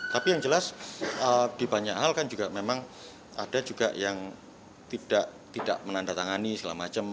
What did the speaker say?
tapi yang jelas di banyak hal kan juga memang ada juga yang tidak menandatangani segala macam